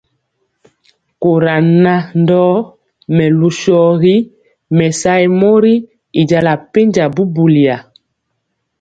Kora nan ndɔɔ melu shorgi mesayeg mori i jala penja bubuli ya.